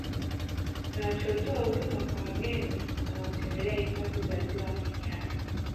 Kinachotoa huduma kwa wageni wanaotembelea hifadhi ya Ziwa Manyara